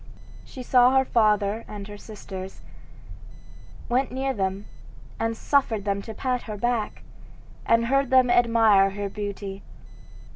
She saw her father and her sisters, went near them, and suffered them to pat her back, and heard them admire her beauty.